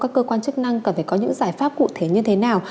các cơ quan chức năng cần phải có những giải pháp cụ thể như thế nào